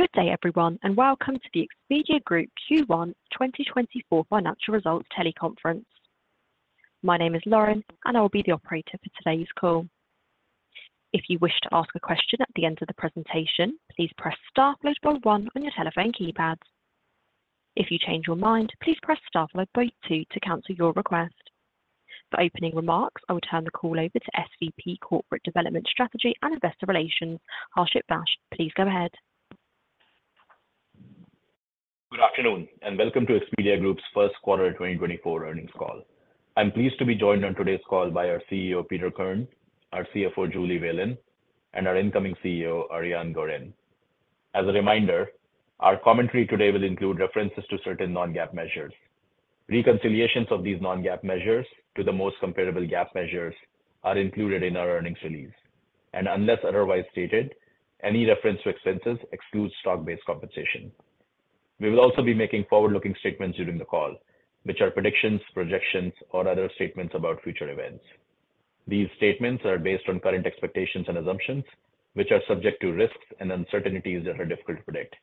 Good day, everyone, and welcome to the Expedia Group Q1 2024 Financial Results Teleconference. My name is Lauren, and I will be the operator for today's call. If you wish to ask a question at the end of the presentation, please press star followed by one on your telephone keypad. If you change your mind, please press star followed by two to cancel your request. For opening remarks, I will turn the call over to SVP, Corporate Development Strategy and Investor Relations, Harshit Vaish. Please go ahead. Good afternoon, and welcome to Expedia Group's first quarter 2024 earnings call. I'm pleased to be joined on today's call by our CEO, Peter Kern, our CFO, Julie Whalen, and our incoming CEO, Ariane Gorin. As a reminder, our commentary today will include references to certain non-GAAP measures. Reconciliations of these non-GAAP measures to the most comparable GAAP measures are included in our earnings release, and unless otherwise stated, any reference to expenses excludes stock-based compensation. We will also be making forward-looking statements during the call, which are predictions, projections, or other statements about future events. These statements are based on current expectations and assumptions, which are subject to risks and uncertainties that are difficult to predict.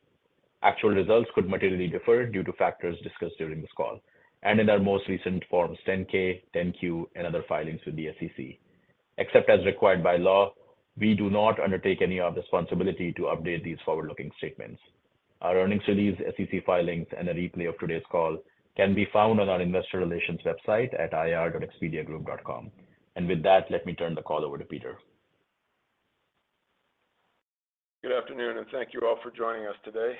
Actual results could materially differ due to factors discussed during this call and in our most recent Forms 10-K, 10-Q, and other filings with the SEC. Except as required by law, we do not undertake any other responsibility to update these forward-looking statements. Our earnings release, SEC filings, and a replay of today's call can be found on our investor relations website at ir.expediagroup.com. With that, let me turn the call over to Peter. Good afternoon, and thank you all for joining us today.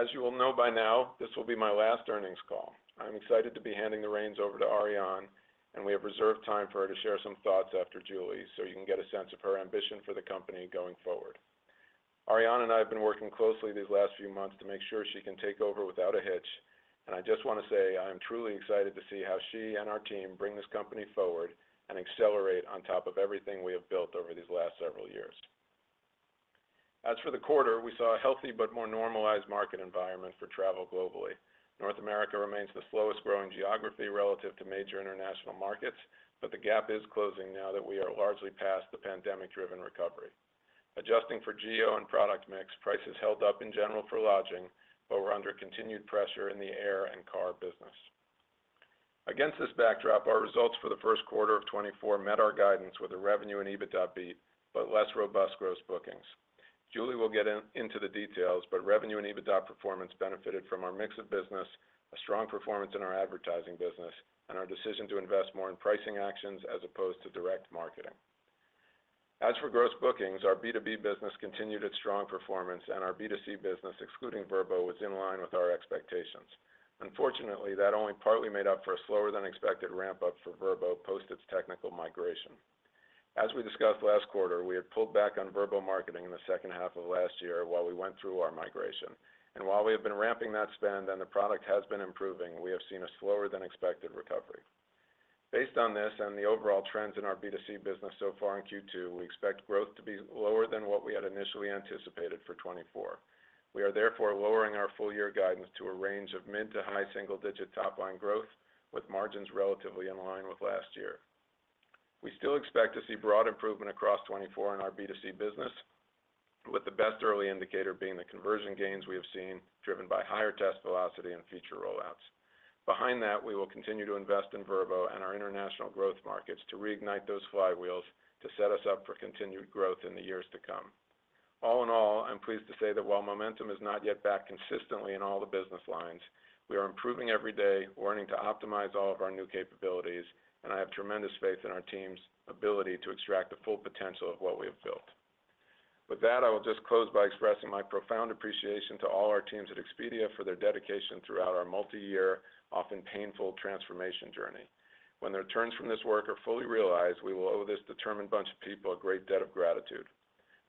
As you will know by now, this will be my last earnings call. I'm excited to be handing the reins over to Ariane, and we have reserved time for her to share some thoughts after Julie, so you can get a sense of her ambition for the company going forward. Ariane and I have been working closely these last few months to make sure she can take over without a hitch, and I just want to say I am truly excited to see how she and our team bring this company forward and accelerate on top of everything we have built over these last several years. As for the quarter, we saw a healthy but more normalized market environment for travel globally. North America remains the slowest growing geography relative to major international markets, but the gap is closing now that we are largely past the pandemic-driven recovery. Adjusting for geo and product mix, prices held up in general for lodging, but we're under continued pressure in the air and car business. Against this backdrop, our results for the first quarter of 2024 met our guidance with a revenue and EBITDA beat, but less robust gross bookings. Julie will get into the details, but revenue and EBITDA performance benefited from our mix of business, a strong performance in our advertising business, and our decision to invest more in pricing actions as opposed to direct marketing. As for gross bookings, our B2B business continued its strong performance, and our B2C business, excluding Vrbo, was in line with our expectations. Unfortunately, that only partly made up for a slower than expected ramp-up for Vrbo, post its technical migration. As we discussed last quarter, we had pulled back on Vrbo marketing in the second half of last year while we went through our migration. And while we have been ramping that spend and the product has been improving, we have seen a slower than expected recovery. Based on this and the overall trends in our B2C business so far in Q2, we expect growth to be lower than what we had initially anticipated for 2024. We are therefore lowering our full year guidance to a range of mid to high single-digit top-line growth, with margins relatively in line with last year. We still expect to see broad improvement across 2024 in our B2C business, with the best early indicator being the conversion gains we have seen, driven by higher test velocity and feature rollouts. Behind that, we will continue to invest in Vrbo and our international growth markets to reignite those flywheels to set us up for continued growth in the years to come. All in all, I'm pleased to say that while momentum is not yet back consistently in all the business lines, we are improving every day, learning to optimize all of our new capabilities, and I have tremendous faith in our team's ability to extract the full potential of what we have built. With that, I will just close by expressing my profound appreciation to all our teams at Expedia for their dedication throughout our multi-year, often painful transformation journey. When the returns from this work are fully realized, we will owe this determined bunch of people a great debt of gratitude.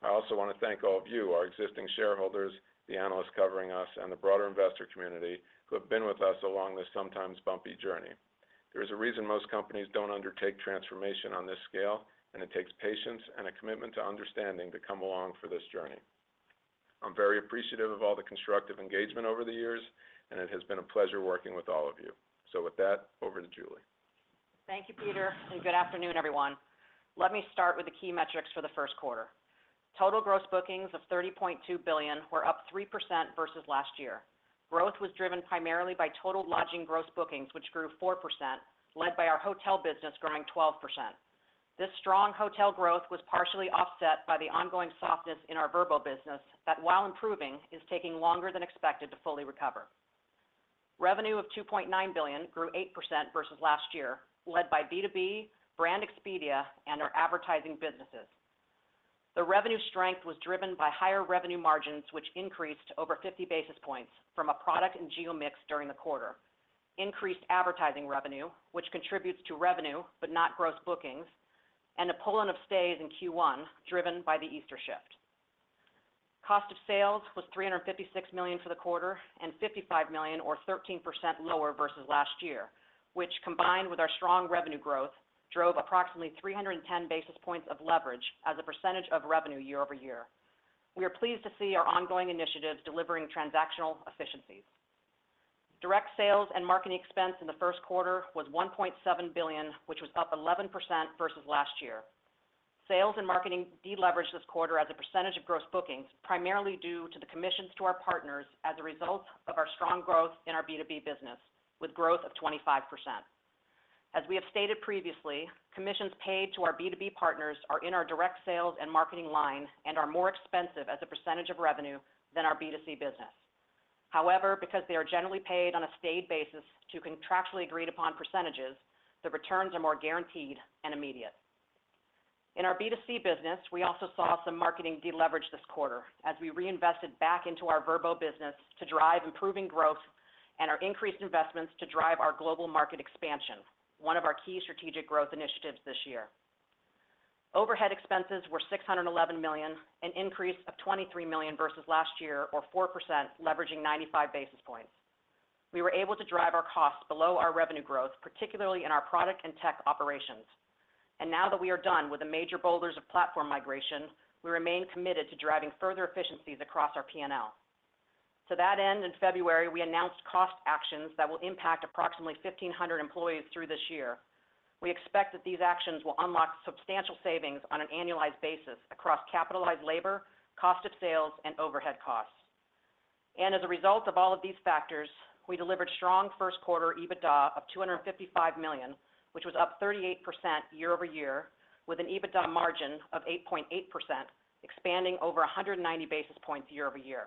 I also want to thank all of you, our existing shareholders, the analysts covering us, and the broader investor community who have been with us along this sometimes bumpy journey. There is a reason most companies don't undertake transformation on this scale, and it takes patience and a commitment to understanding to come along for this journey. I'm very appreciative of all the constructive engagement over the years, and it has been a pleasure working with all of you. With that, over to Julie. Thank you, Peter, and good afternoon, everyone. Let me start with the key metrics for the first quarter. Total gross bookings of $30.2 billion were up 3% versus last year. Growth was driven primarily by total lodging gross bookings, which grew 4%, led by our hotel business growing 12%. This strong hotel growth was partially offset by the ongoing softness in our Vrbo business, that while improving, is taking longer than expected to fully recover. Revenue of $2.9 billion grew 8% versus last year, led by B2B, brand Expedia, and our advertising businesses. The revenue strength was driven by higher revenue margins, which increased over 50 basis points from a product and geo mix during the quarter. Increased advertising revenue, which contributes to revenue but not gross bookings, and a pull-in of stays in Q1, driven by the Easter shift. Cost of sales was $356 million for the quarter and $55 million, or 13% lower versus last year, which combined with our strong revenue growth, drove approximately 310 basis points of leverage as a percentage of revenue year-over-year. We are pleased to see our ongoing initiatives delivering transactional efficiencies. Direct sales and marketing expense in the first quarter was $1.7 billion, which was up 11% versus last year. Sales and marketing deleveraged this quarter as a percentage of gross bookings, primarily due to the commissions to our partners as a result of our strong growth in our B2B business, with growth of 25%. As we have stated previously, commissions paid to our B2B partners are in our direct sales and marketing line and are more expensive as a percentage of revenue than our B2C business. However, because they are generally paid on a stayed basis to contractually agreed upon percentages, the returns are more guaranteed and immediate. In our B2C business, we also saw some marketing deleverage this quarter as we reinvested back into our Vrbo business to drive improving growth and our increased investments to drive our global market expansion, one of our key strategic growth initiatives this year. Overhead expenses were $611 million, an increase of $23 million versus last year, or 4%, leveraging 95 basis points. We were able to drive our costs below our revenue growth, particularly in our product and tech operations. And now that we are done with the major boulders of platform migration, we remain committed to driving further efficiencies across our P&L. To that end, in February, we announced cost actions that will impact approximately 1,500 employees through this year. We expect that these actions will unlock substantial savings on an annualized basis across capitalized labor, cost of sales, and overhead costs. As a result of all of these factors, we delivered strong first quarter EBITDA of $255 million, which was up 38% year-over-year, with an EBITDA margin of 8.8%, expanding over 190 basis points year-over-year.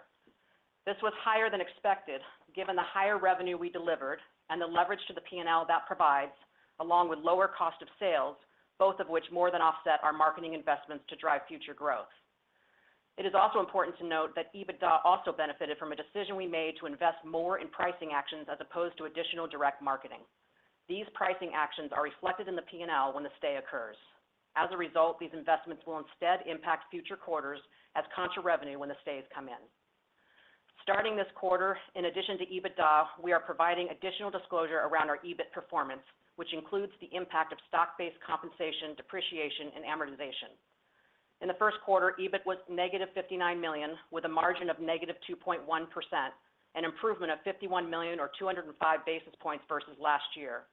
This was higher than expected, given the higher revenue we delivered and the leverage to the P&L that provides, along with lower cost of sales, both of which more than offset our marketing investments to drive future growth. It is also important to note that EBITDA also benefited from a decision we made to invest more in pricing actions as opposed to additional direct marketing. These pricing actions are reflected in the P&L when the stay occurs. As a result, these investments will instead impact future quarters as contra revenue when the stays come in. Starting this quarter, in addition to EBITDA, we are providing additional disclosure around our EBIT performance, which includes the impact of stock-based compensation, depreciation, and amortization. In the first quarter, EBIT was -$59 million, with a margin of -2.1%, an improvement of $51 million, or 205 basis points versus last year.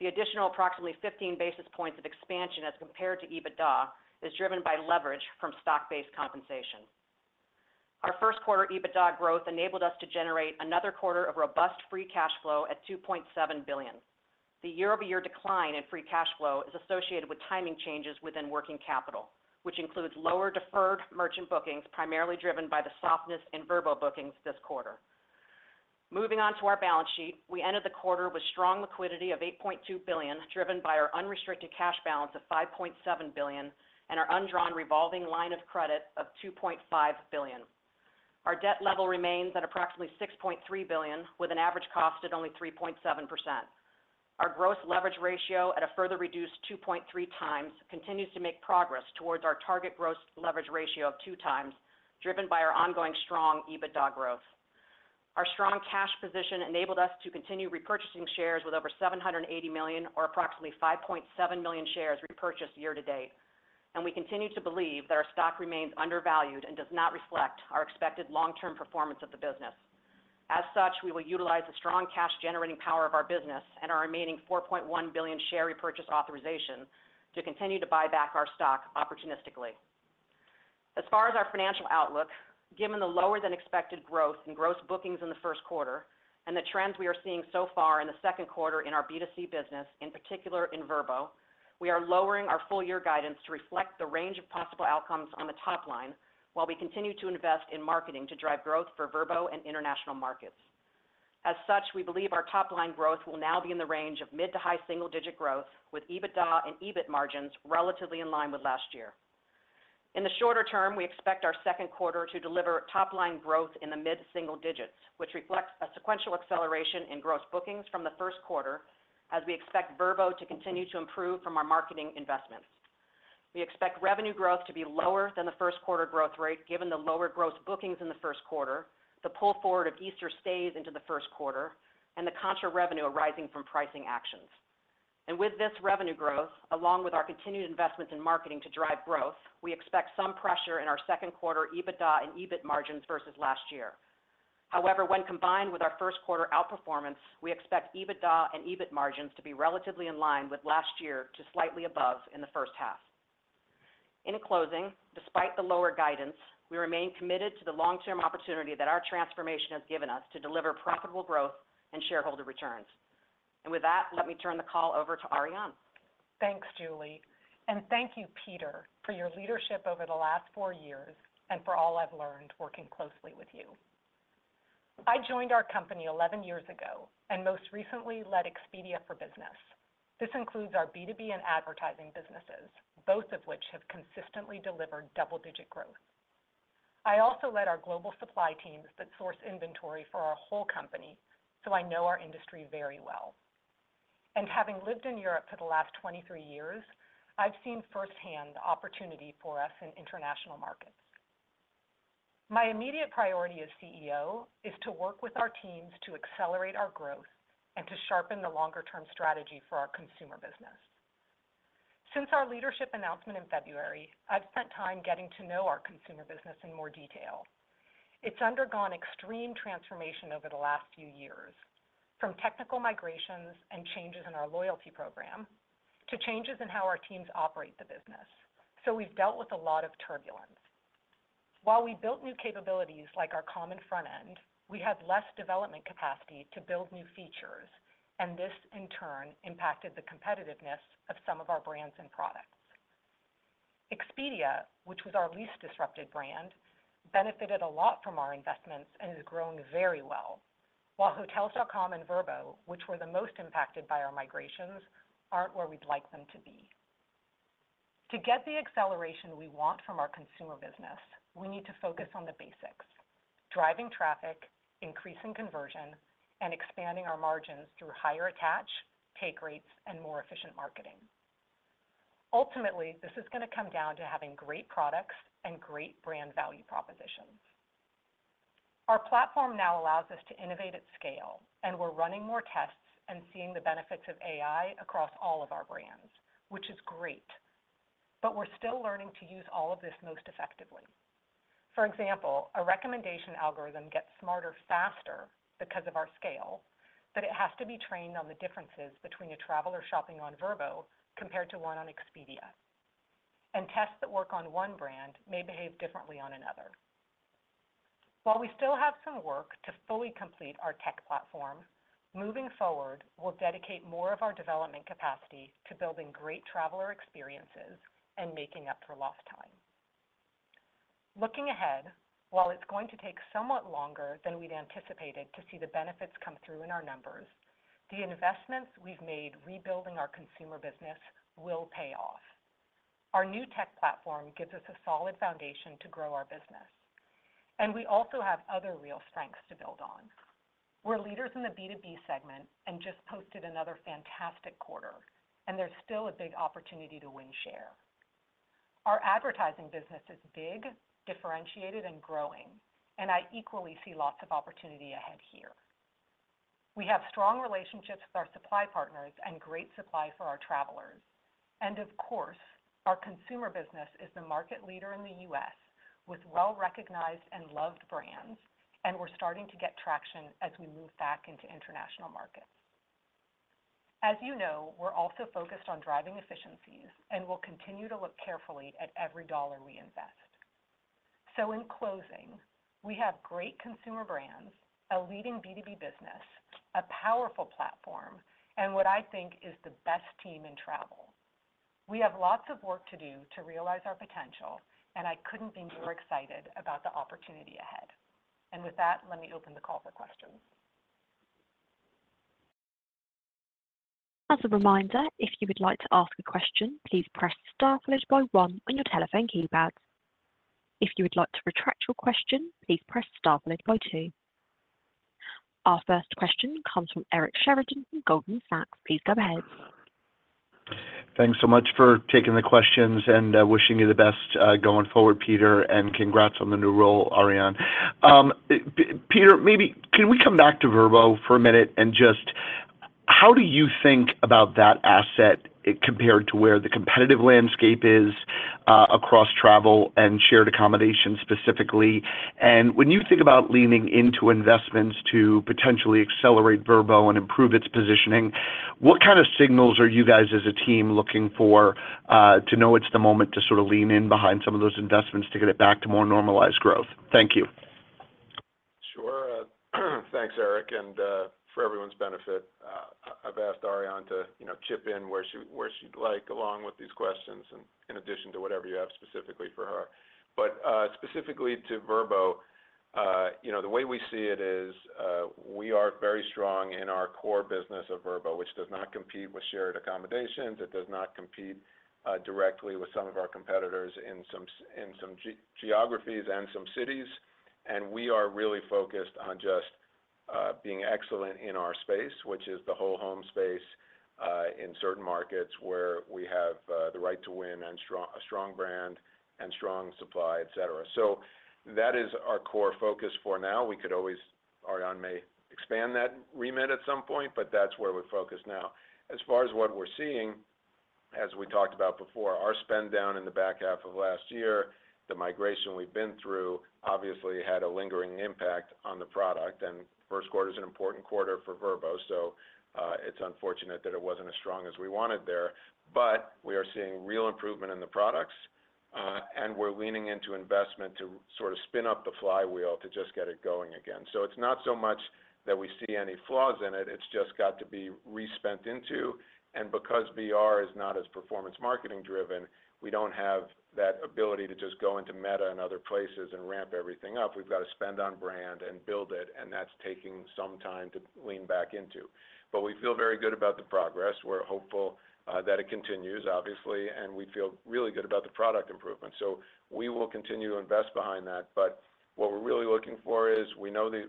The additional approximately 15 basis points of expansion as compared to EBITDA, is driven by leverage from stock-based compensation. Our first quarter EBITDA growth enabled us to generate another quarter of robust free cash flow at $2.7 billion. The year-over-year decline in free cash flow is associated with timing changes within working capital, which includes lower deferred merchant bookings, primarily driven by the softness in Vrbo bookings this quarter. Moving on to our balance sheet, we ended the quarter with strong liquidity of $8.2 billion, driven by our unrestricted cash balance of $5.7 billion, and our undrawn revolving line of credit of $2.5 billion. Our debt level remains at approximately $6.3 billion, with an average cost at only 3.7%. Our gross leverage ratio, at a further reduced 2.3x, continues to make progress towards our target gross leverage ratio of 2x, driven by our ongoing strong EBITDA growth. Our strong cash position enabled us to continue repurchasing shares with over $780 million or approximately 5.7 million shares repurchased year to date. We continue to believe that our stock remains undervalued and does not reflect our expected long-term performance of the business. As such, we will utilize the strong cash-generating power of our business and our remaining $4.1 billion share repurchase authorization to continue to buy back our stock opportunistically. As far as our financial outlook, given the lower than expected growth in gross bookings in the first quarter and the trends we are seeing so far in the second quarter in our B2C business, in particular in Vrbo, we are lowering our full-year guidance to reflect the range of possible outcomes on the top line, while we continue to invest in marketing to drive growth for Vrbo and international markets. As such, we believe our top line growth will now be in the range of mid- to high-single-digit growth, with EBITDA and EBIT margins relatively in line with last year. In the shorter term, we expect our second quarter to deliver top line growth in the mid single digits, which reflects a sequential acceleration in gross bookings from the first quarter, as we expect Vrbo to continue to improve from our marketing investments. We expect revenue growth to be lower than the first quarter growth rate, given the lower gross bookings in the first quarter, the pull forward of Easter stays into the first quarter, and the contra revenue arising from pricing actions. With this revenue growth, along with our continued investments in marketing to drive growth, we expect some pressure in our second quarter EBITDA and EBIT margins versus last year. However, when combined with our first quarter outperformance, we expect EBITDA and EBIT margins to be relatively in line with last year to slightly above in the first half. In closing, despite the lower guidance, we remain committed to the long-term opportunity that our transformation has given us to deliver profitable growth and shareholder returns. With that, let me turn the call over to Ariane. Thanks, Julie, and thank you, Peter, for your leadership over the last four years and for all I've learned working closely with you. I joined our company 11 years ago and most recently led Expedia for Business. This includes our B2B and advertising businesses, both of which have consistently delivered double-digit growth. I also led our global supply teams that source inventory for our whole company, so I know our industry very well. And having lived in Europe for the last 23 years, I've seen firsthand the opportunity for us in international markets. My immediate priority as CEO is to work with our teams to accelerate our growth and to sharpen the longer-term strategy for our consumer business.... Since our leadership announcement in February, I've spent time getting to know our consumer business in more detail. It's undergone extreme transformation over the last few years, from technical migrations and changes in our loyalty program, to changes in how our teams operate the business. So we've dealt with a lot of turbulence. While we built new capabilities like our common front end, we had less development capacity to build new features, and this, in turn, impacted the competitiveness of some of our brands and products. Expedia, which was our least disrupted brand, benefited a lot from our investments and is growing very well, while Hotels.com and Vrbo, which were the most impacted by our migrations, aren't where we'd like them to be. To get the acceleration we want from our consumer business, we need to focus on the basics: driving traffic, increasing conversion, and expanding our margins through higher attach, take rates, and more efficient marketing. Ultimately, this is gonna come down to having great products and great brand value propositions. Our platform now allows us to innovate at scale, and we're running more tests and seeing the benefits of AI across all of our brands, which is great, but we're still learning to use all of this most effectively. For example, a recommendation algorithm gets smarter faster because of our scale, but it has to be trained on the differences between a traveler shopping on Vrbo compared to one on Expedia. Tests that work on one brand may behave differently on another. While we still have some work to fully complete our tech platform, moving forward, we'll dedicate more of our development capacity to building great traveler experiences and making up for lost time. Looking ahead, while it's going to take somewhat longer than we'd anticipated to see the benefits come through in our numbers, the investments we've made rebuilding our consumer business will pay off. Our new tech platform gives us a solid foundation to grow our business, and we also have other real strengths to build on. We're leaders in the B2B segment and just posted another fantastic quarter, and there's still a big opportunity to win share. Our advertising business is big, differentiated, and growing, and I equally see lots of opportunity ahead here. We have strong relationships with our supply partners and great supply for our travelers. And of course, our consumer business is the market leader in the US, with well-recognized and loved brands, and we're starting to get traction as we move back into international markets. As you know, we're also focused on driving efficiencies, and we'll continue to look carefully at every dollar we invest. So in closing, we have great consumer brands, a leading B2B business, a powerful platform, and what I think is the best team in travel. We have lots of work to do to realize our potential, and I couldn't be more excited about the opportunity ahead. And with that, let me open the call for questions. As a reminder, if you would like to ask a question, please press star followed by one on your telephone keypad. If you would like to retract your question, please press star followed by two. Our first question comes from Eric Sheridan from Goldman Sachs. Please go ahead. Thanks so much for taking the questions, and, wishing you the best, going forward, Peter, and congrats on the new role, Ariane. Peter, maybe can we come back to Vrbo for a minute and just how do you think about that asset compared to where the competitive landscape is, across travel and shared accommodation, specifically? And when you think about leaning into investments to potentially accelerate Vrbo and improve its positioning, what kind of signals are you guys, as a team, looking for, to know it's the moment to sort of lean in behind some of those investments to get it back to more normalized growth? Thank you. Sure. Thanks, Eric, and for everyone's benefit, I've asked Ariane to, you know, chip in where she, where she'd like, along with these questions, and in addition to whatever you have specifically for her. But specifically to Vrbo, you know, the way we see it is, we are very strong in our core business of Vrbo, which does not compete with shared accommodations. It does not compete directly with some of our competitors in some geographies and some cities, and we are really focused on just being excellent in our space, which is the whole home space, in certain markets where we have the right to win and a strong brand and strong supply, et cetera. So that is our core focus for now. We could always. Ariane may expand that remit at some point, but that's where we're focused now. As far as what we're seeing, as we talked about before, our spend down in the back half of last year, the migration we've been through, obviously had a lingering impact on the product, and first quarter is an important quarter for Vrbo, so, it's unfortunate that it wasn't as strong as we wanted there. But we are seeing real improvement in the products, and we're leaning into investment to sort of spin up the flywheel to just get it going again. So it's not so much that we see any flaws in it, it's just got to be re-spent into, and because VR is not as performance marketing driven, we don't have that ability to just go into Meta and other places and ramp everything up. We've got to spend on brand and build it, and that's taking some time to lean back into. But we feel very good about the progress. We're hopeful that it continues, obviously, and we feel really good about the product improvement. So we will continue to invest behind that, but what we're really looking for is we know the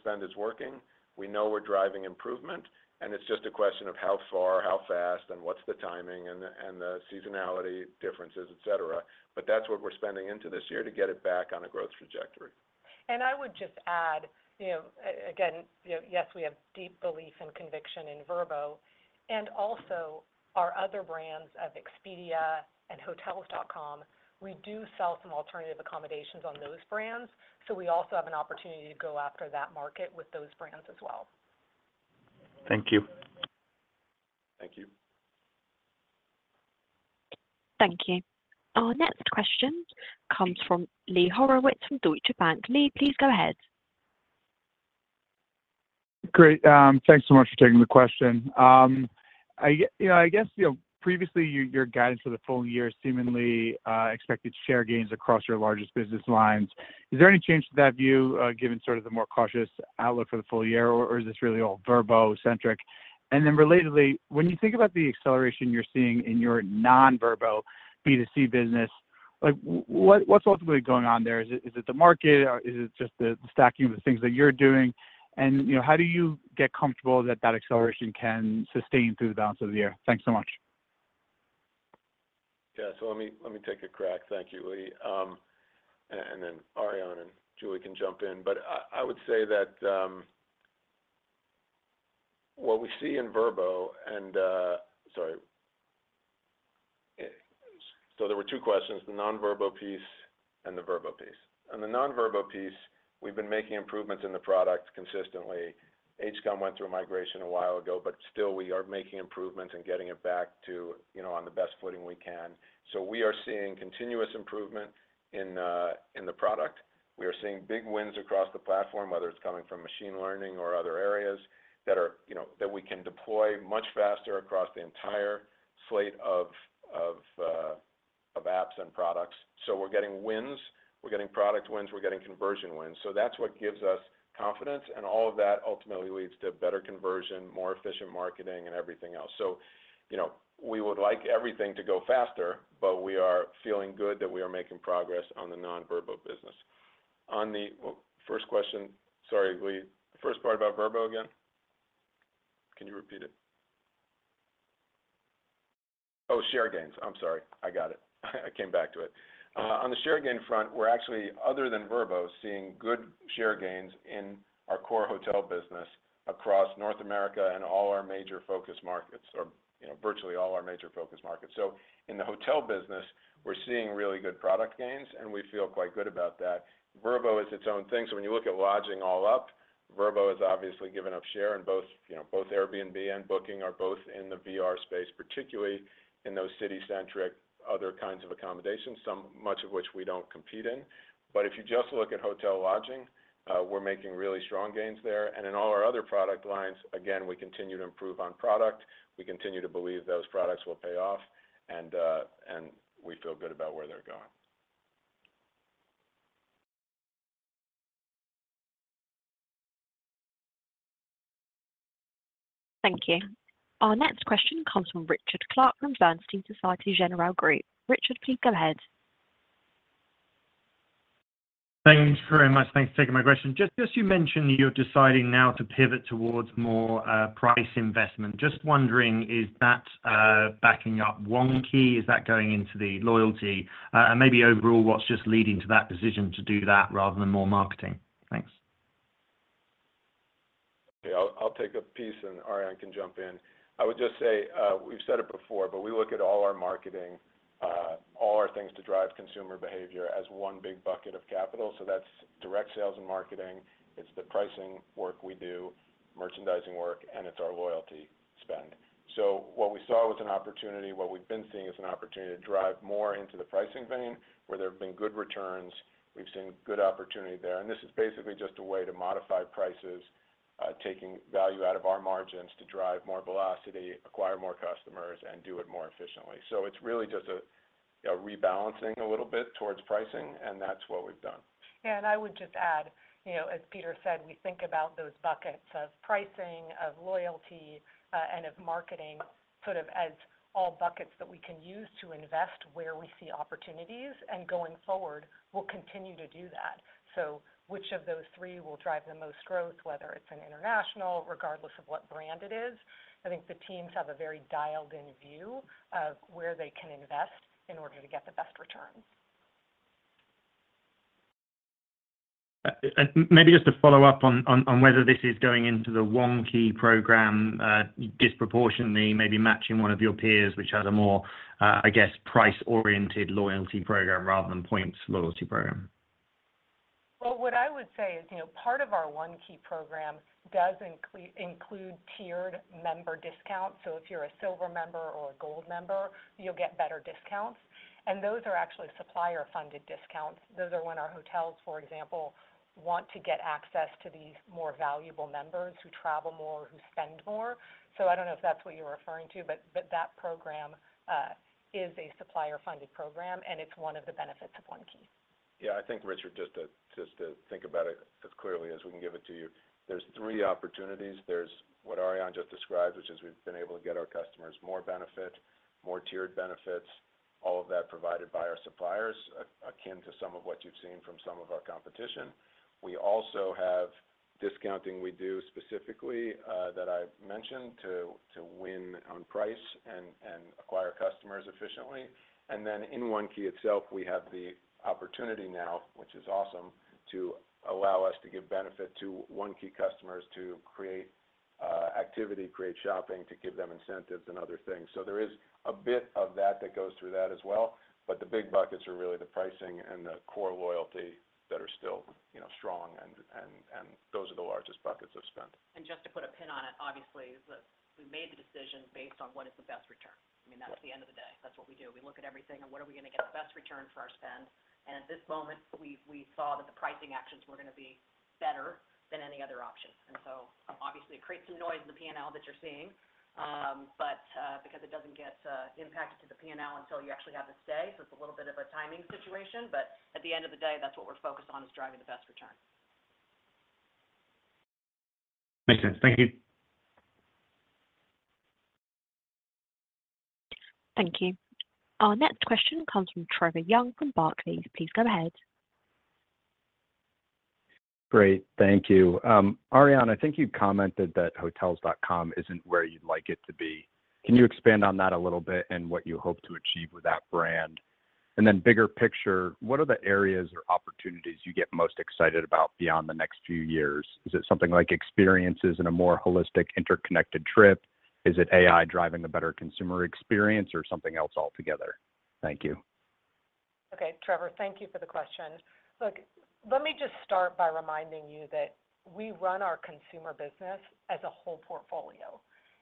spend is working, we know we're driving improvement, and it's just a question of how far, how fast, and what's the timing and the seasonality differences, et cetera. But that's what we're spending into this year to get it back on a growth trajectory.... And I would just add, you know, again, you know, yes, we have deep belief and conviction in Vrbo, and also our other brands of Expedia and Hotels.com. We do sell some alternative accommodations on those brands, so we also have an opportunity to go after that market with those brands as well. Thank you. Thank you. Thank you. Our next question comes from Lee Horowitz from Deutsche Bank. Lee, please go ahead. Great, thanks so much for taking the question. I guess, you know, previously, your guidance for the full year seemingly expected share gains across your largest business lines. Is there any change to that view, given sort of the more cautious outlook for the full year, or is this really all Vrbo centric? And then relatedly, when you think about the acceleration you're seeing in your non-Vrbo B2C business, like, what's ultimately going on there? Is it the market, or is it just the stacking of the things that you're doing? And, you know, how do you get comfortable that acceleration can sustain through the balance of the year? Thanks so much. Yeah, so let me take a crack. Thank you, Lee. And then Ariane and Julie can jump in. But I would say that what we see in Vrbo and... Sorry. So there were two questions: the non-Vrbo piece and the Vrbo piece. On the non-Vrbo piece, we've been making improvements in the product consistently. HCOM went through a migration a while ago, but still, we are making improvements and getting it back to, you know, on the best footing we can. So we are seeing continuous improvement in the product. We are seeing big wins across the platform, whether it's coming from machine learning or other areas that are, you know, that we can deploy much faster across the entire slate of apps and products. So we're getting wins, we're getting product wins, we're getting conversion wins. So that's what gives us confidence, and all of that ultimately leads to better conversion, more efficient marketing, and everything else. So, you know, we would like everything to go faster, but we are feeling good that we are making progress on the non-Vrbo business. On the, well, first question. Sorry, Lee, the first part about Vrbo again? Can you repeat it? Oh, share gains. I'm sorry. I got it. I came back to it. On the share gain front, we're actually, other than Vrbo, seeing good share gains in our core hotel business across North America and all our major focus markets, or, you know, virtually all our major focus markets. So in the hotel business, we're seeing really good product gains, and we feel quite good about that. Vrbo is its own thing, so when you look at lodging all up, Vrbo is obviously giving up share, and both, you know, both Airbnb and Booking are both in the VR space, particularly in those city-centric, other kinds of accommodations, some much of which we don't compete in. But if you just look at hotel lodging, we're making really strong gains there. And in all our other product lines, again, we continue to improve on product. We continue to believe those products will pay off, and, and we feel good about where they're going. Thank you. Our next question comes from Richard Clarke from Bernstein Société Générale Group. Richard, please go ahead. Thanks very much. Thanks for taking my question. Just as you mentioned, you're deciding now to pivot towards more price investment. Just wondering, is that backing up One Key? Is that going into the loyalty? And maybe overall, what's just leading to that decision to do that rather than more marketing? Thanks. Yeah, I'll take a piece, and Ariane can jump in. I would just say, we've said it before, but we look at all our marketing, all our things to drive consumer behavior as one big bucket of capital. So that's direct sales and marketing, it's the pricing work we do, merchandising work, and it's our loyalty spend. So what we saw was an opportunity. What we've been seeing is an opportunity to drive more into the pricing vein, where there have been good returns. We've seen good opportunity there, and this is basically just a rebalancing a little bit towards pricing, and that's what we've done. Yeah, and I would just add, you know, as Peter said, we think about those buckets of pricing, of loyalty, and of marketing, sort of as all buckets that we can use to invest where we see opportunities, and going forward, we'll continue to do that. So which of those three will drive the most growth, whether it's in international, regardless of what brand it is? I think the teams have a very dialed-in view of where they can invest in order to get the best return. Maybe just to follow up on whether this is going into the One Key program disproportionately, maybe matching one of your peers, which has a more, I guess, price-oriented loyalty program rather than points loyalty program. Well, what I would say is, you know, part of our One Key program does include tiered member discounts. So if you're a silver member or a gold member, you'll get better discounts, and those are actually supplier-funded discounts. Those are when our hotels, for example, want to get access to the more valuable members who travel more or who spend more. So I don't know if that's what you're referring to, but that program is a supplier-funded program, and it's one of the benefits of One Key. Yeah, I think, Richard, just to think about it as clearly as we can give it to you, there's three opportunities. There's what Ariane just described, which is we've been able to get our customers more benefit, more tiered benefits, all of that provided by our suppliers, akin to some of what you've seen from some of our competition. We also have discounting we do specifically that I've mentioned to win on price and acquire customers efficiently. And then in One Key itself, we have the opportunity now, which is awesome, to allow us to give benefit to One Key customers to create activity, create shopping, to give them incentives and other things. So there is a bit of that that goes through that as well, but the big buckets are really the pricing and the core loyalty that are still, you know, strong, and, and, and those are the largest buckets of spend. And just to put a pin on it, obviously, we made the decision based on what is the best return. I mean, that's the end of the day. That's what we do. We look at everything and what are we going to get the best return for our spend. And at this moment, we saw that the pricing actions were going to be better than any other option. And so obviously, it creates some noise in the P&L that you're seeing, but because it doesn't get impacted to the P&L until you actually have the say, so it's a little bit of a timing situation, but at the end of the day, that's what we're focused on, is driving the best return. Makes sense. Thank you. Thank you. Our next question comes from Trevor Young from Barclays. Please go ahead. Great, thank you. Ariane, I think you commented that Hotels.com isn't where you'd like it to be. Can you expand on that a little bit and what you hope to achieve with that brand? And then bigger picture, what are the areas or opportunities you get most excited about beyond the next few years? Is it something like experiences in a more holistic, interconnected trip? Is it AI driving a better consumer experience or something else altogether? Thank you. Okay, Trevor, thank you for the question. Look, let me just start by reminding you that we run our consumer business as a whole portfolio,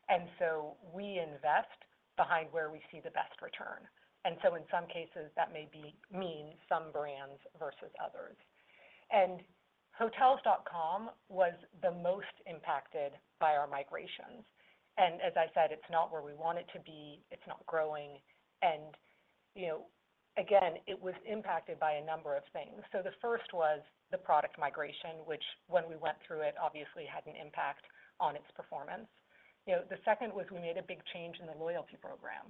and so we invest behind where we see the best return. And so in some cases, that may mean some brands versus others. And Hotels.com was the most impacted by our migrations, and as I said, it's not where we want it to be. It's not growing. And, you know, again, it was impacted by a number of things. So the first was the product migration, which when we went through it, obviously had an impact on its performance. You know, the second was we made a big change in the loyalty program.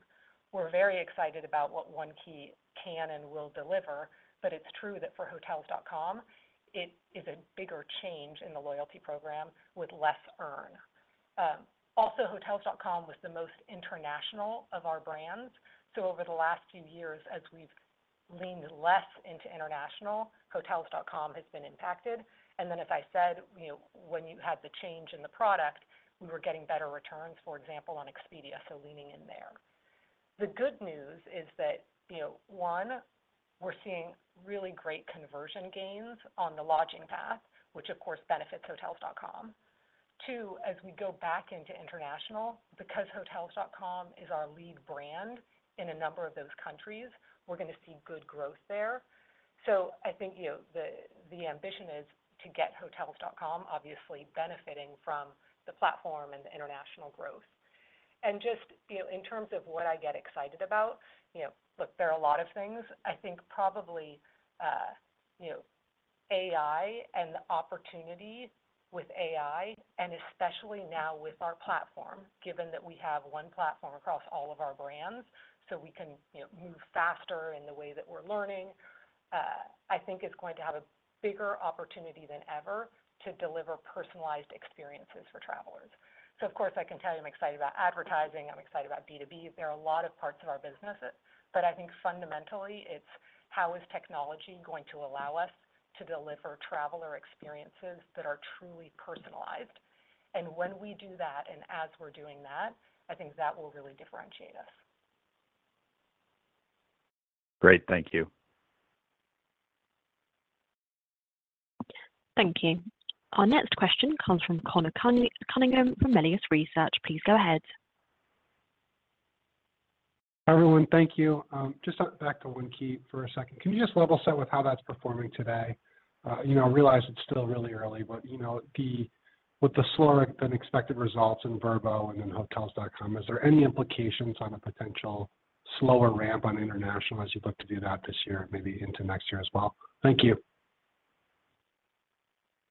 We're very excited about what One Key can and will deliver, but it's true that for Hotels.com, it is a bigger change in the loyalty program with less earn. Also, Hotels.com was the most international of our brands. So over the last few years, as we've leaned less into international, Hotels.com has been impacted. And then as I said, you know, when you had the change in the product, we were getting better returns, for example, on Expedia, so leaning in there. The good news is that, you know, one, we're seeing really great conversion gains on the lodging path, which of course benefits Hotels.com. Two, as we go back into international, because Hotels.com is our lead brand in a number of those countries, we're going to see good growth there. So I think, you know, the, the ambition is to get Hotels.com, obviously benefiting from the platform and the international growth. And just, you know, in terms of what I get excited about, you know, look, there are a lot of things. I think probably, you know, AI and the opportunity with AI, and especially now with our platform, given that we have one platform across all of our brands, so we can, you know, move faster in the way that we're learning, I think is going to have a bigger opportunity than ever to deliver personalized experiences for travelers. So of course, I can tell you, I'm excited about advertising, I'm excited about B2B. There are a lot of parts of our business, but I think fundamentally, it's how is technology going to allow us to deliver traveler experiences that are truly personalized? And when we do that, and as we're doing that, I think that will really differentiate us. Great. Thank you. Thank you. Our next question comes from Conor Cunningham from Melius Research. Please go ahead. Hi, everyone. Thank you. Just back to One Key for a second. Can you just level set with how that's performing today? You know, I realize it's still really early, but, you know, with the slower than expected results in Vrbo and in Hotels.com, is there any implications on a potential slower ramp on international as you look to do that this year, maybe into next year as well? Thank you.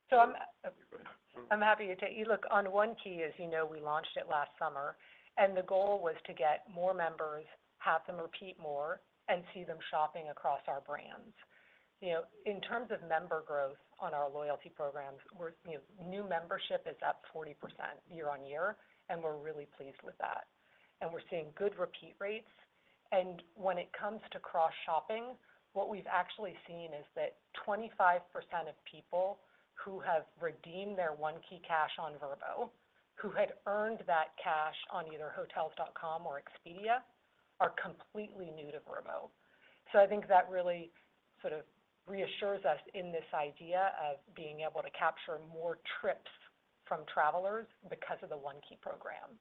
So I'm happy to take... You look, on One Key, as you know, we launched it last summer, and the goal was to get more members, have them repeat more, and see them shopping across our brands. You know, in terms of member growth on our loyalty programs, we're, you know, new membership is up 40% year-on-year, and we're really pleased with that. And we're seeing good repeat rates. And when it comes to cross shopping, what we've actually seen is that 25% of people who have redeemed their OneKeyCash on Vrbo, who had earned that cash on either Hotels.com or Expedia, are completely new to Vrbo. So I think that really sort of reassures us in this idea of being able to capture more trips from travelers because of the One Key program.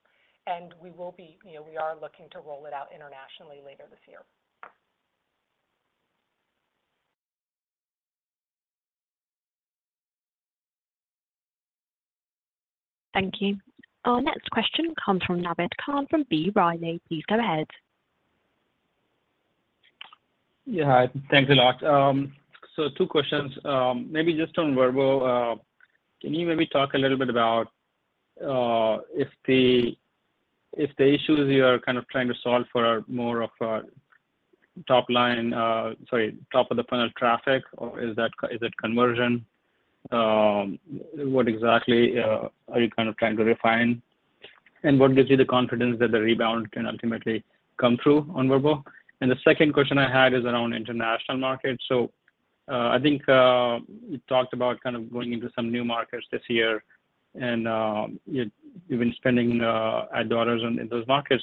We will be, you know, we are looking to roll it out internationally later this year. Thank you. Our next question comes from Naved Khan from B. Riley. Please go ahead. Yeah. Thanks a lot. So two questions, maybe just on Vrbo. Can you maybe talk a little bit about if the issues you are kind of trying to solve for are more of a- top line, sorry, top of the funnel traffic, or is that, is it conversion? What exactly are you kind of trying to refine? And what gives you the confidence that the rebound can ultimately come through on Vrbo? And the second question I had is around international markets. So, I think you talked about kind of going into some new markets this year, and, you've been spending ad dollars on, in those markets.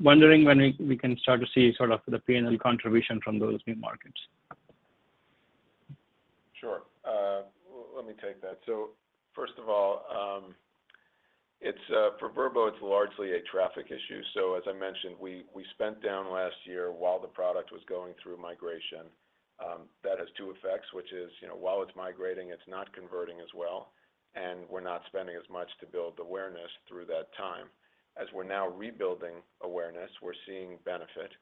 Wondering when we can start to see sort of the PNL contribution from those new markets? Sure. Let me take that. So first of all, it's for Vrbo, it's largely a traffic issue. So as I mentioned, we, we spent down last year while the product was going through migration. That has two effects, which is, you know, while it's migrating, it's not converting as well, and we're not spending as much to build awareness through that time. As we're now rebuilding awareness, we're seeing benefit.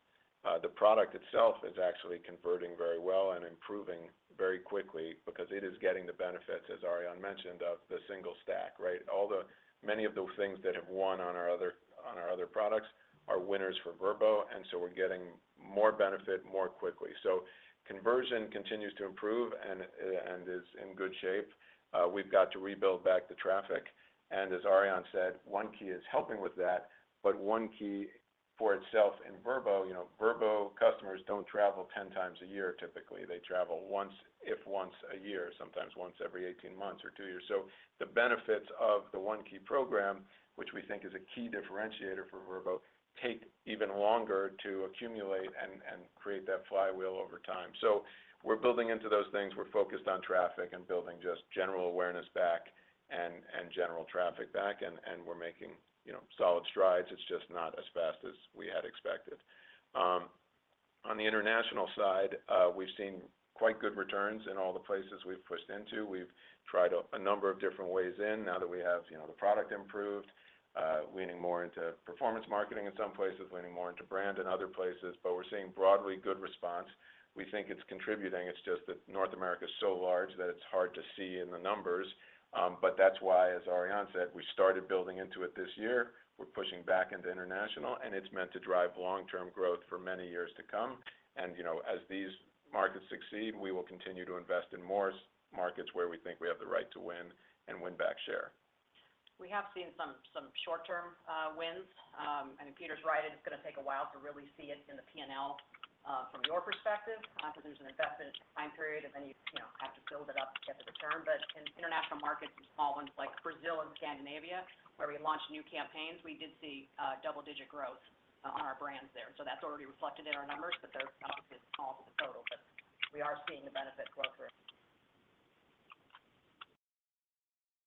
The product itself is actually converting very well and improving very quickly because it is getting the benefits, as Ariane mentioned, of the single stack, right? All the—many of those things that have won on our other, on our other products are winners for Vrbo, and so we're getting more benefit more quickly. So conversion continues to improve and is in good shape. We've got to rebuild back the traffic, and as Ariane said, One Key is helping with that, but One Key for itself in Vrbo, you know, Vrbo customers don't travel 10 times a year, typically. They travel once, if once a year, sometimes once every 18 months or 2 years. So the benefits of the One Key program, which we think is a key differentiator for Vrbo, take even longer to accumulate and create that flywheel over time. So we're building into those things. We're focused on traffic and building just general awareness back and general traffic back, and we're making, you know, solid strides. It's just not as fast as we had expected. On the international side, we've seen quite good returns in all the places we've pushed into. We've tried a number of different ways and now that we have, you know, the product improved, leaning more into performance marketing in some places, leaning more into brand in other places, but we're seeing broadly good response. We think it's contributing, it's just that North America is so large that it's hard to see in the numbers. But that's why, as Ariane said, we started building into it this year. We're pushing back into international, and it's meant to drive long-term growth for many years to come. And, you know, as these markets succeed, we will continue to invest in more markets where we think we have the right to win and win back share. We have seen some short-term wins. Peter's right, it's gonna take a while to really see it in the PNL, from your perspective. Because there's an investment time period, and then, you know, have to build it up to get the return. But in international markets, some small ones like Brazil and Scandinavia, where we launched new campaigns, we did see double-digit growth on our brands there. So that's already reflected in our numbers, but they're obviously small to the total, but we are seeing the benefit grow through.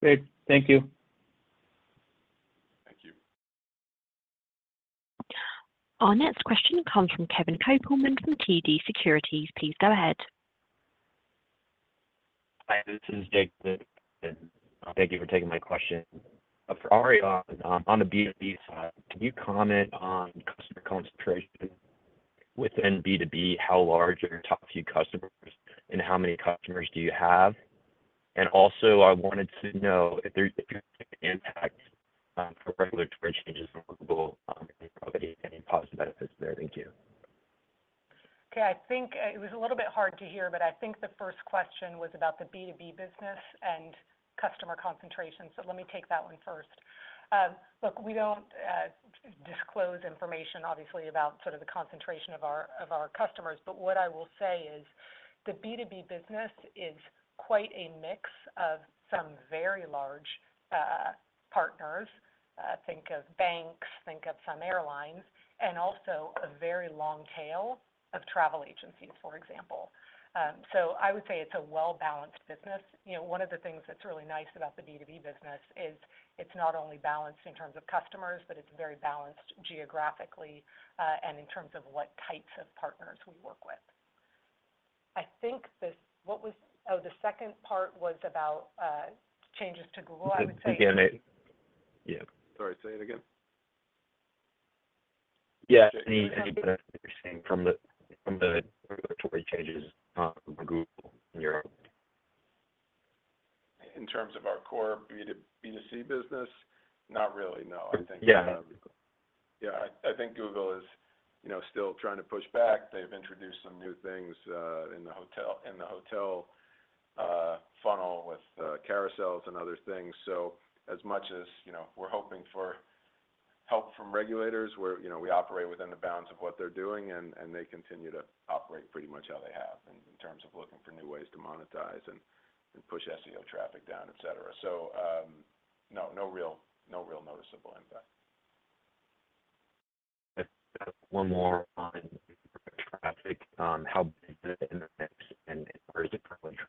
Great. Thank you. Thank you. Our next question comes from Kevin Kopelman from TD Securities. Please go ahead. Hi, this is Jake. Thank you for taking my question. For Ariane, on the B2B side, can you comment on customer concentration within B2B? How large are your top few customers, and how many customers do you have? And also, I wanted to know if there's impact for regulatory changes in Google, any positive benefits there? Thank you. Okay. I think it was a little bit hard to hear, but I think the first question was about the B2B business and customer concentration, so let me take that one first. Look, we don't disclose information, obviously, about sort of the concentration of our customers, but what I will say is the B2B business is quite a mix of some very large partners, think of banks, think of some airlines, and also a very long tail of travel agencies, for example. So I would say it's a well-balanced business. You know, one of the things that's really nice about the B2B business is it's not only balanced in terms of customers, but it's very balanced geographically, and in terms of what types of partners we work with. I think this... Oh, the second part was about changes to Google. I would say- Yeah. Sorry, say it again. Yes, any benefit you're seeing from the regulatory changes from Google in Europe? In terms of our core B2C business? Not really, no. Yeah. I think Google is, you know, still trying to push back. They've introduced some new things in the hotel funnel with carousels and other things. So as much as, you know, we're hoping for help from regulators, where, you know, we operate within the bounds of what they're doing, and they continue to operate pretty much how they have in terms of looking for new ways to monetize and push SEO traffic down, et cetera. So, no real noticeable impact. One more on traffic, how big is it in the mix, and where is it currently?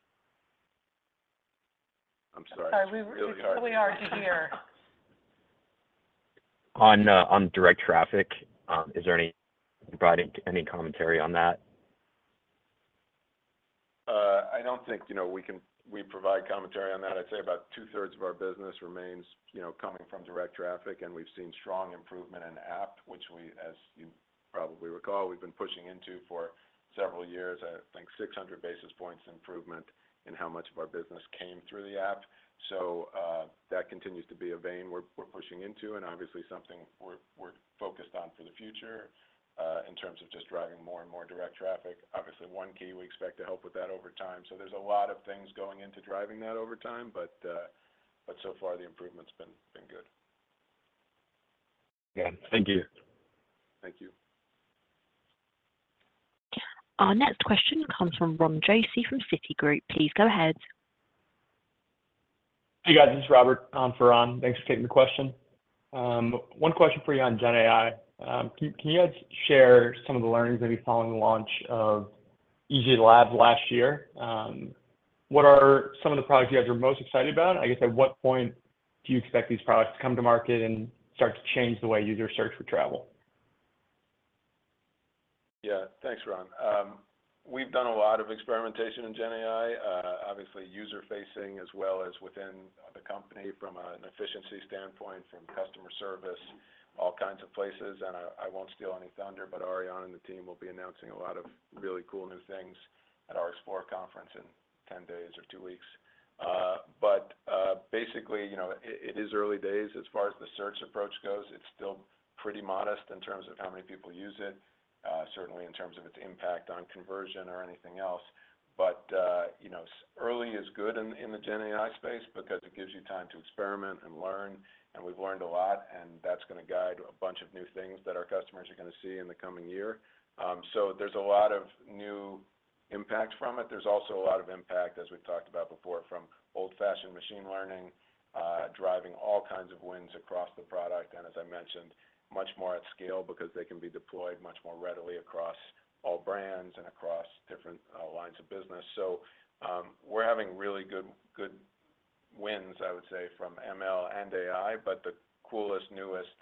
I'm sorry. I'm sorry. It's really hard to hear. On direct traffic, is there any providing any commentary on that? I don't think, you know, we can provide commentary on that. I'd say about two-thirds of our business remains, you know, coming from direct traffic, and we've seen strong improvement in the app, which we, as you probably recall, we've been pushing into for several years. I think 600 basis points improvement in how much of our business came through the app. So, that continues to be a vein we're pushing into and obviously something just on for the future, in terms of just driving more and more direct traffic. Obviously, One Key, we expect to help with that over time. So there's a lot of things going into driving that over time, but so far the improvement's been good. Yeah. Thank you. Thank you. Our next question comes from Ron Josey from Citigroup. Please go ahead. Hey, guys, this is Robert for Ron. Thanks for taking the question. One question for you on GenAI. Can you guys share some of the learnings maybe following the launch of EG Labs last year? What are some of the products you guys are most excited about? I guess, at what point do you expect these products to come to market and start to change the way users search for travel? Yeah, thanks, Ron. We've done a lot of experimentation in GenAI, obviously, user-facing as well as within the company from an efficiency standpoint, from customer service, all kinds of places. And I won't steal any thunder, but Ariane and the team will be announcing a lot of really cool new things at our Explore conference in 10 days or 2 weeks. But basically, you know, it is early days as far as the search approach goes. It's still pretty modest in terms of how many people use it, certainly in terms of its impact on conversion or anything else. But, you know, early is good in the GenAI space because it gives you time to experiment and learn, and we've learned a lot, and that's going to guide a bunch of new things that our customers are going to see in the coming year. So there's a lot of new impact from it. There's also a lot of impact, as we've talked about before, from old-fashioned machine learning, driving all kinds of wins across the product, and as I mentioned, much more at scale because they can be deployed much more readily across all brands and across different lines of business. So, we're having really good, good wins, I would say, from ML and AI, but the coolest, newest,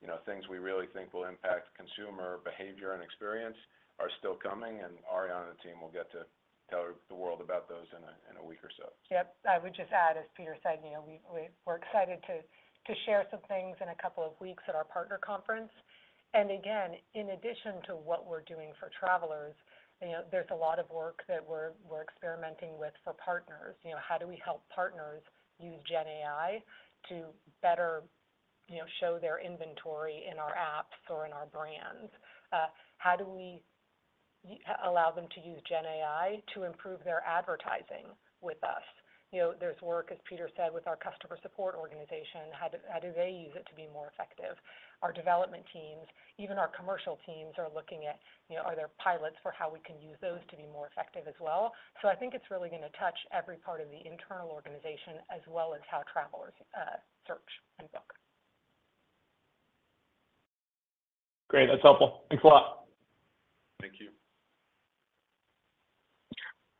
you know, things we really think will impact consumer behavior and experience are still coming, and Ariane and the team will get to tell the world about those in a week or so. Yep. I would just add, as Peter said, you know, we we're excited to share some things in a couple of weeks at our partner conference. And again, in addition to what we're doing for travelers, you know, there's a lot of work that we're experimenting with for partners. You know, how do we help partners use GenAI to better, you know, show their inventory in our apps or in our brands? How do we allow them to use GenAI to improve their advertising with us? You know, there's work, as Peter said, with our customer support organization, how do they use it to be more effective? Our development teams, even our commercial teams are looking at, you know, are there pilots for how we can use those to be more effective as well. So I think it's really going to touch every part of the internal organization, as well as how travelers search and book. Great! That's helpful. Thanks a lot. Thank you.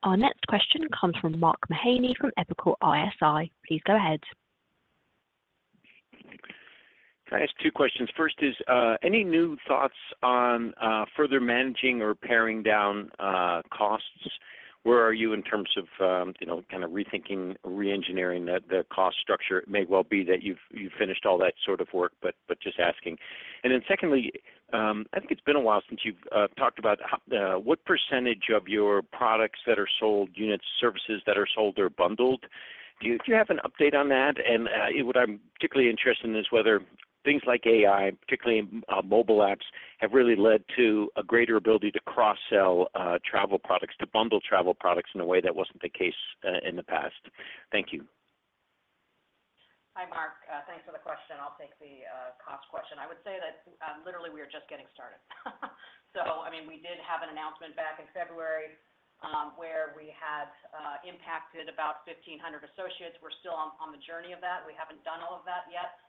Our next question comes from Mark Mahaney from Evercore ISI. Please go ahead. Can I ask two questions? First is, any new thoughts on, further managing or paring down, costs? Where are you in terms of, you know, kind of rethinking, reengineering the cost structure? It may well be that you've finished all that sort of work, but just asking. And then secondly, I think it's been a while since you've talked about how... what percentage of your products that are sold, unit services that are sold or bundled. Do you have an update on that? And, what I'm particularly interested in is whether things like AI, particularly, mobile apps, have really led to a greater ability to cross-sell, travel products, to bundle travel products in a way that wasn't the case, in the past. Thank you. Hi, Mark. Thanks for the question. I'll take the cost question. I would say that literally, we are just getting started. So, I mean, we did have an announcement back in February, where we had impacted about 1,500 associates. We're still on the journey of that. We haven't done all of that yet.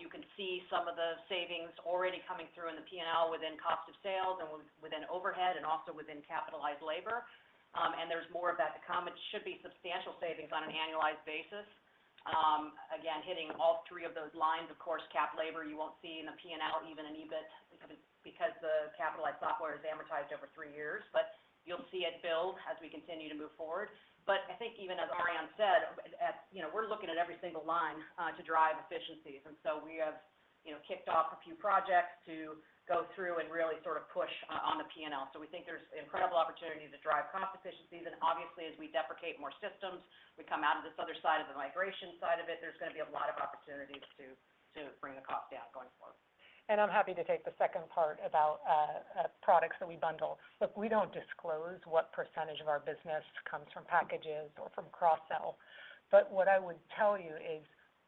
You can see some of the savings already coming through in the P&L within cost of sales and within overhead and also within capitalized labor. And there's more of that to come. It should be substantial savings on an annualized basis. Again, hitting all three of those lines, of course, cap labor, you won't see in the P&L, even in EBIT, because the capitalized software is amortized over 3 years, but you'll see it build as we continue to move forward. But I think even as Ariane said, you know, we're looking at every single line to drive efficiencies. And so we have, you know, kicked off a few projects to go through and really sort of push on the P&L. So we think there's incredible opportunity to drive cost efficiencies. And obviously, as we deprecate more systems, we come out of this other side of the migration side of it. There's going to be a lot of opportunities to bring the cost down going forward. I'm happy to take the second part about products that we bundle. Look, we don't disclose what percentage of our business comes from packages or from cross-sell, but what I would tell you is,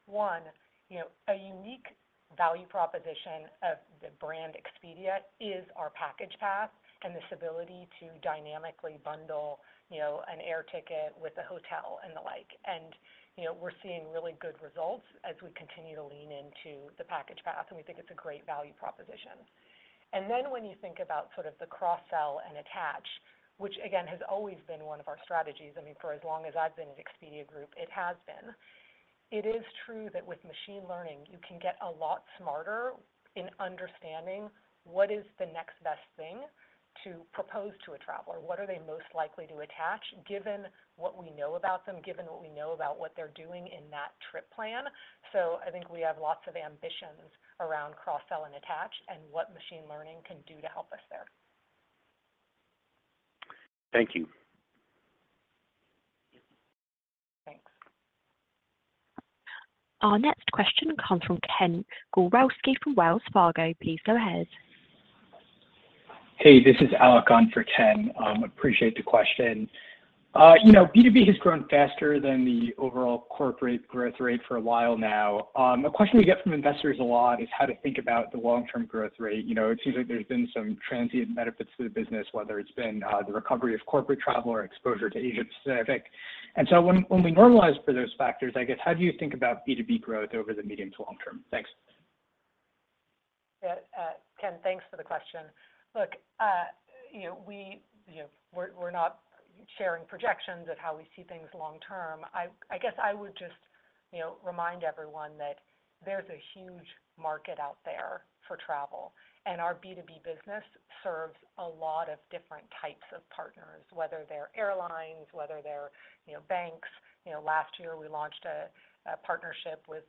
one, you know, a unique value proposition of the brand Expedia is our package path and this ability to dynamically bundle, you know, an air ticket with a hotel and the like. And, you know, we're seeing really good results as we continue to lean into the package path, and we think it's a great value proposition. And then when you think about sort of the cross-sell and attach, which again, has always been one of our strategies, I mean, for as long as I've been at Expedia Group, it has been. It is true that with machine learning, you can get a lot smarter in understanding what is the next best thing to propose to a traveler. What are they most likely to attach, given what we know about them, given what we know about what they're doing in that trip plan? I think we have lots of ambitions around cross-sell and attach, and what machine learning can do to help us there. Thank you. Our next question comes from Ken Gawrelski from Wells Fargo. Please go ahead. Hey, this is Alec on for Ken. Appreciate the question. You know, B2B has grown faster than the overall corporate growth rate for a while now. A question we get from investors a lot is how to think about the long-term growth rate. You know, it seems like there's been some transient benefits to the business, whether it's been the recovery of corporate travel or exposure to Asia Pacific. And so when we normalize for those factors, I guess, how do you think about B2B growth over the medium to long term? Thanks. Yeah, Ken, thanks for the question. Look, you know, we're not sharing projections of how we see things long term. I guess I would just, you know, remind everyone that there's a huge market out there for travel, and our B2B business serves a lot of different types of partners, whether they're airlines, whether they're, you know, banks. You know, last year we launched a partnership with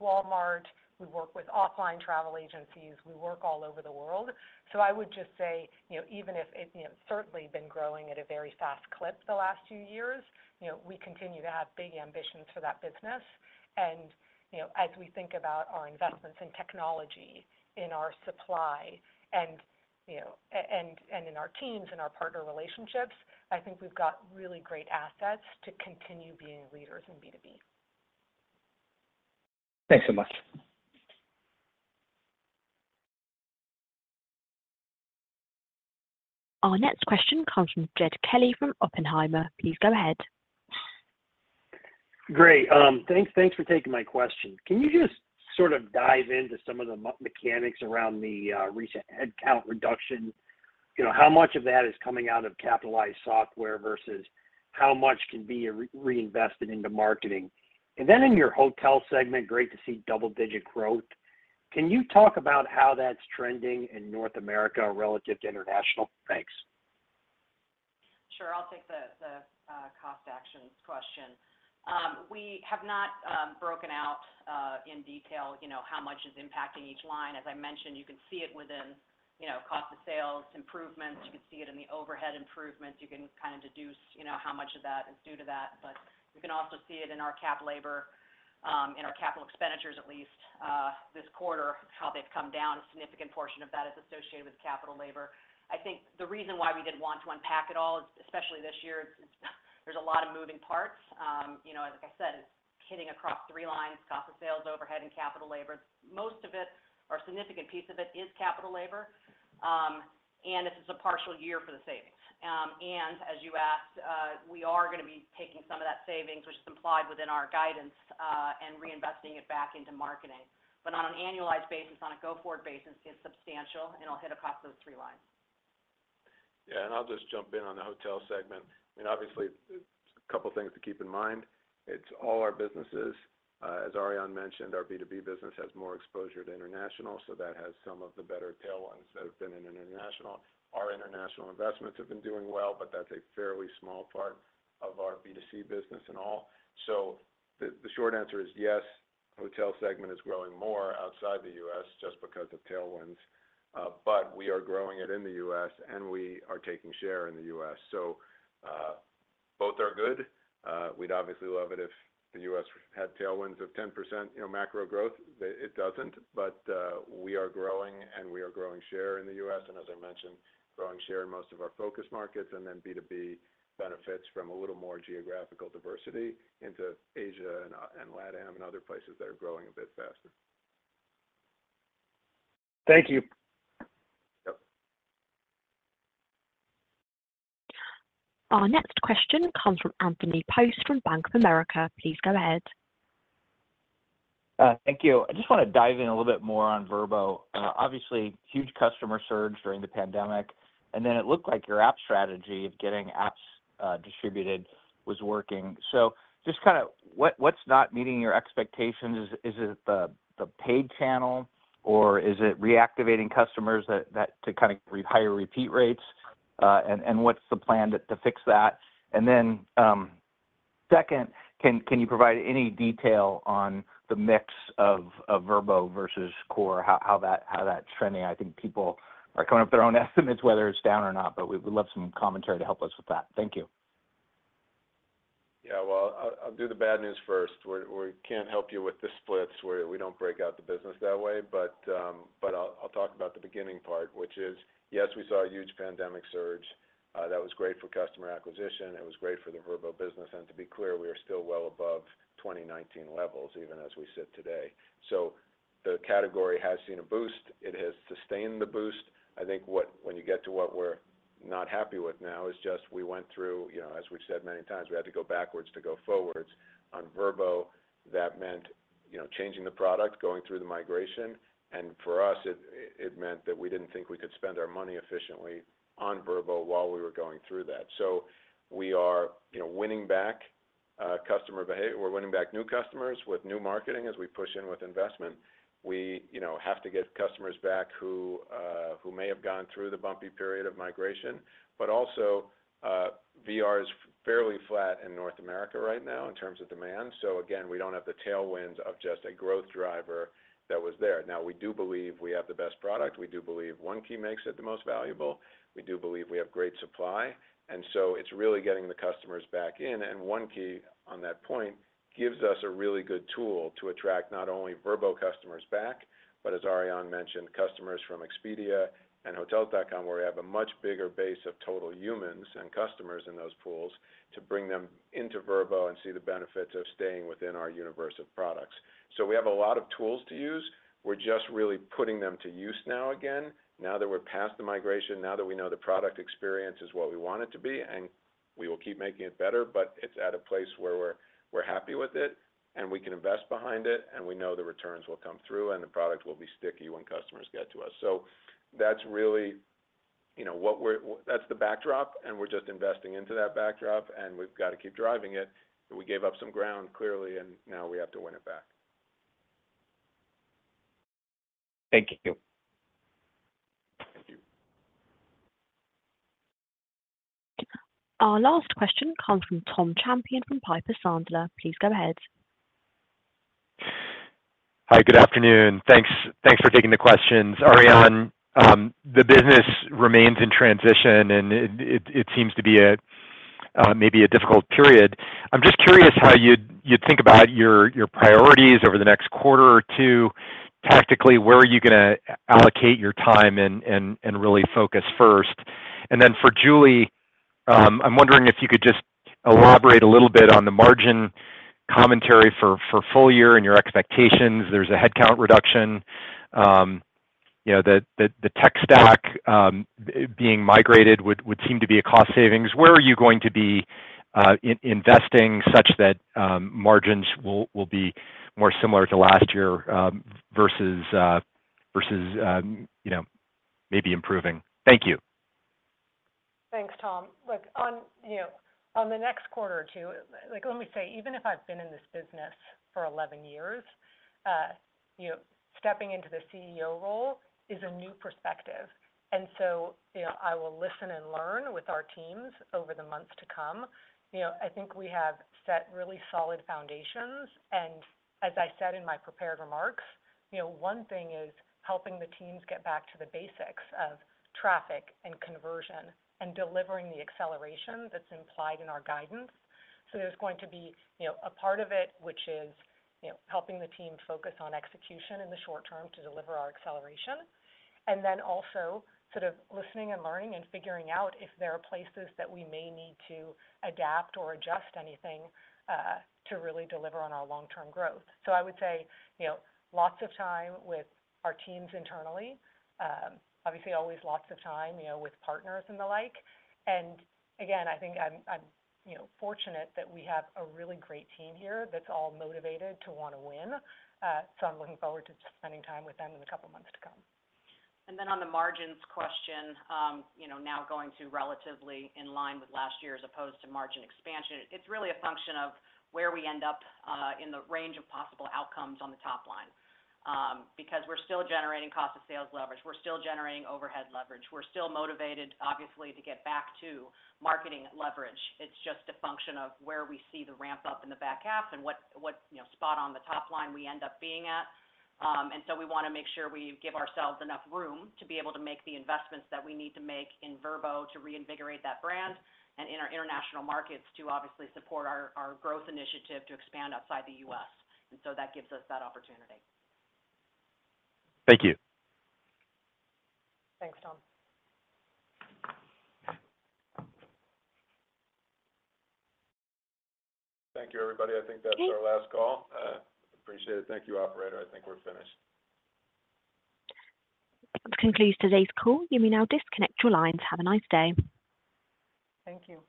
Walmart. We work with offline travel agencies. We work all over the world. So I would just say, you know, even if it certainly been growing at a very fast clip the last few years, you know, we continue to have big ambitions for that business. You know, as we think about our investments in technology, in our supply, and, you know, and in our teams and our partner relationships, I think we've got really great assets to continue being leaders in B2B. Thanks so much. Our next question comes from Jed Kelly from Oppenheimer. Please go ahead. Great. Thanks, thanks for taking my question. Can you just sort of dive into some of the mechanics around the recent headcount reduction? You know, how much of that is coming out of capitalized software versus how much can be reinvested into marketing? And then in your hotel segment, great to see double-digit growth. Can you talk about how that's trending in North America relative to international? Thanks. Sure. I'll take the cost actions question. We have not broken out in detail, you know, how much is impacting each line. As I mentioned, you can see it within, you know, cost of sales improvements. You can see it in the overhead improvements. You can kind of deduce, you know, how much of that is due to that, but you can also see it in our cap labor in our capital expenditures, at least this quarter, how they've come down. A significant portion of that is associated with capital labor. I think the reason why we didn't want to unpack it all, especially this year, is there's a lot of moving parts. You know, like I said, it's hitting across three lines: cost of sales, overhead, and capital labor. Most of it, or a significant piece of it, is capital labor, and this is a partial year for the savings. As you asked, we are going to be taking some of that savings, which is implied within our guidance, and reinvesting it back into marketing. But on an annualized basis, on a go-forward basis, it's substantial, and it'll hit across those three lines. Yeah, and I'll just jump in on the hotel segment, and obviously, a couple of things to keep in mind. It's all our businesses. As Ariane mentioned, our B2B business has more exposure to international, so that has some of the better tailwinds that have been in international. Our international investments have been doing well, but that's a fairly small part of our B2C business and all. So the short answer is yes, hotel segment is growing more outside the US just because of tailwinds, but we are growing it in the US, and we are taking share in the US. So both are good. We'd obviously love it if the US had tailwinds of 10%, you know, macro growth. It doesn't, but we are growing, and we are growing share in the US, and as I mentioned, growing share in most of our focus markets, and then B2B benefits from a little more geographical diversity into Asia and LatAm and other places that are growing a bit faster. Thank you. Yep. Our next question comes from Anthony Post from Bank of America. Please go ahead. Thank you. I just want to dive in a little bit more on Vrbo. Obviously, huge customer surge during the pandemic, and then it looked like your app strategy of getting apps distributed was working. So just kind of what's not meeting your expectations? Is it the paid channel, or is it reactivating customers that to kind of higher repeat rates? And what's the plan to fix that? And then, second, can you provide any detail on the mix of Vrbo versus core? How that's trending? I think people are coming up with their own estimates, whether it's down or not, but we would love some commentary to help us with that. Thank you. Yeah, well, I'll do the bad news first. We can't help you with the splits. We don't break out the business that way, but I'll talk about the beginning part, which is, yes, we saw a huge pandemic surge. That was great for customer acquisition. It was great for the Vrbo business, and to be clear, we are still well above 2019 levels, even as we sit today. So the category has seen a boost. It has sustained the boost. I think what, when you get to what we're not happy with now is just we went through, you know, as we've said many times, we had to go backwards to go forwards. On Vrbo, that meant, you know, changing the product, going through the migration, and for us, it meant that we didn't think we could spend our money efficiently on Vrbo while we were going through that. So we are, you know, winning back new customers with new marketing as we push in with investment. We, you know, have to get customers back who may have gone through the bumpy period of migration, but also, Vrbo is fairly flat in North America right now in terms of demand. So again, we don't have the tailwind of just a growth driver that was there. Now, we do believe we have the best product. We do believe One Key makes it the most valuable. We do believe we have great supply, and so it's really getting the customers back in. One Key, on that point, gives us a really good tool to attract not only Vrbo customers back, but as Ariane mentioned, customers from Expedia and Hotels.com, where we have a much bigger base of total humans and customers in those pools, to bring them into Vrbo and see the benefits of staying within our universe of products. So we have a lot of tools to use. We're just really putting them to use now again, now that we're past the migration, now that we know the product experience is what we want it to be, and we will keep making it better, but it's at a place where we're happy with it, and we can invest behind it, and we know the returns will come through and the product will be sticky when customers get to us. So that's really, you know, that's the backdrop, and we're just investing into that backdrop, and we've got to keep driving it. But we gave up some ground, clearly, and now we have to win it back. Thank you. Thank you. Our last question comes from Tom Champion from Piper Sandler. Please go ahead. Hi, good afternoon. Thanks, thanks for taking the questions. Ariane, the business remains in transition, and it seems to be a maybe a difficult period. I'm just curious how you'd think about your priorities over the next quarter or two. Tactically, where are you gonna allocate your time and really focus first? And then for Julie, I'm wondering if you could just elaborate a little bit on the margin commentary for full year and your expectations. There's a headcount reduction, you know, the tech stack being migrated would seem to be a cost savings. Where are you going to be investing such that margins will be more similar to last year versus maybe improving? Thank you. Thanks, Tom. Look, you know, on the next quarter or two, like, let me say, even if I've been in this business for 11 years, you know, stepping into the CEO role is a new perspective, and so, you know, I will listen and learn with our teams over the months to come. You know, I think we have set really solid foundations, and as I said in my prepared remarks, you know, one thing is helping the teams get back to the basics of traffic and conversion and delivering the acceleration that's implied in our guidance. So there's going to be, you know, a part of it, which is, you know, helping the team focus on execution in the short term to deliver our acceleration, and then also sort of listening and learning and figuring out if there are places that we may need to adapt or adjust anything, to really deliver on our long-term growth. So I would say, you know, lots of time with our teams internally, obviously, always lots of time, you know, with partners and the like. And again, I think I'm, you know, fortunate that we have a really great team here that's all motivated to want to win. So I'm looking forward to spending time with them in a couple of months to come. Then on the margins question, you know, now going to relatively in line with last year, as opposed to margin expansion, it's really a function of where we end up in the range of possible outcomes on the top line. Because we're still generating cost of sales leverage, we're still generating overhead leverage, we're still motivated, obviously, to get back to marketing leverage. It's just a function of where we see the ramp up in the back half and what, you know, spot on the top line we end up being at. So we want to make sure we give ourselves enough room to be able to make the investments that we need to make in Vrbo to reinvigorate that brand and in our international markets to obviously support our growth initiative to expand outside the U.S. And so that gives us that opportunity. Thank you. Thanks, Tom. Thank you, everybody. I think that's our last call. Appreciate it. Thank you, operator. I think we're finished. That concludes today's call. You may now disconnect your lines. Have a nice day. Thank you.